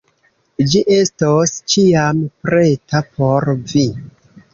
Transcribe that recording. Ĝi estos ĉiam preta por vi.